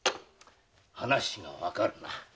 話がわかるな。